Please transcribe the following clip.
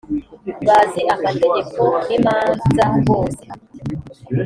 bazi amategeko n imanza bose